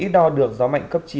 đo được gió mạnh cấp chín